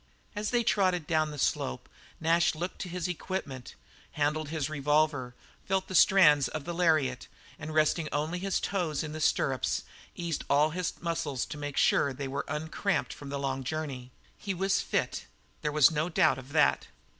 As they trotted down the slope, Nash looked to his equipment, handled his revolver, felt the strands of the lariat, and resting only his toes in the stirrups, eased all his muscles to make sure that they were uncramped from the long journey. He was fit; there was no doubt of that.